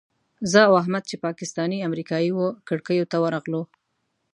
زه او احمد چې پاکستاني امریکایي وو کړکیو ته ورغلو.